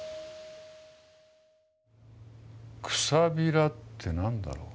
「くさびら」って何だろう。